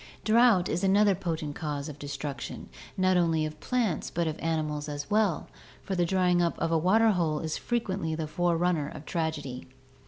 Drought is another potent cause of destruction, not only of plants but of animals as well, for the drying up of a waterhole is frequently the forerunner of tragedy.